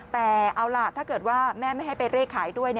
แต่เอาล่ะถ้าเกิดว่าแม่ไม่ให้ไปเร่ขายด้วย